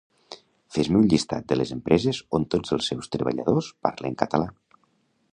Fes-me un llistat de les empreses on tots els seus treballadors parlen català